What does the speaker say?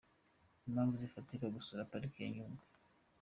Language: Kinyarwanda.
Impamvu zifatika zo gusura Pariki ya Nyungwe.